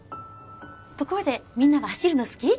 ところでみんなは走るの好き？